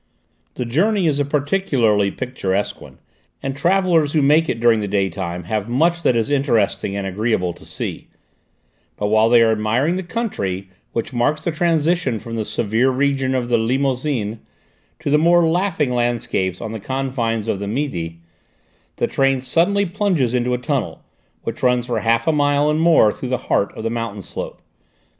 The journey is a particularly picturesque one, and travellers who make it during the daytime have much that is interesting and agreeable to see; but while they are admiring the country, which marks the transition from the severe region of the Limousin to the more laughing landscapes on the confines of the Midi, the train suddenly plunges into a tunnel which runs for half a mile and more through the heart of the mountain slope.